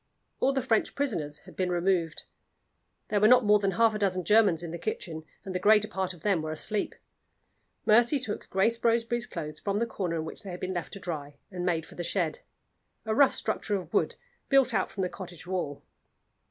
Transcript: All the French prisoners had been removed; there were not more than half a dozen Germans in the kitchen, and the greater part of them were asleep. Mercy took Grace Roseberry's clothes from the corner in which they had been left to dry, and made for the shed a rough structure of wood, built out from the cottage wall.